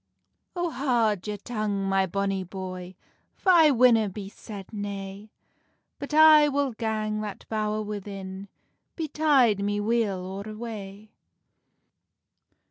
"Oh, haud your tongue, my bonny boy, For I winna be said nay; But I will gang that bowr within, Betide me weal or wae."